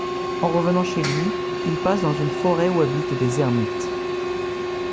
En revenant chez lui, il passe dans une forêt où habitent des ermites.